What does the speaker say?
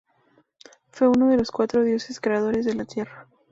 Fue uno de los cuatro dioses creadores de la Tierra.